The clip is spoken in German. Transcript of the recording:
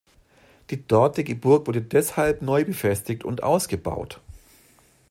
Die dortige Burg wurde deshalb neu befestigt und ausgebaut.